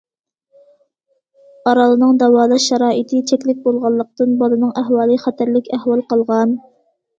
ئارالنىڭ داۋالاش شارائىتى چەكلىك بولغانلىقتىن، بالىنىڭ ئەھۋالى خەتەرلىك ئەھۋال قالغان.